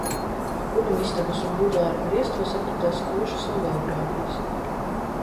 Guļamistabas un buduāra griestos atradās košas oleogrāfijas.